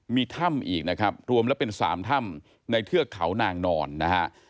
มีถ้ำอีกนะครับรวมแล้วเป็น๓ถ้ำในเทือกเขานางนอนนะฮะ